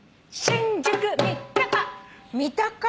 新宿三鷹。